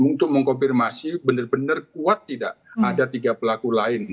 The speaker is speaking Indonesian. untuk mengkonfirmasi benar benar kuat tidak ada tiga pelaku lain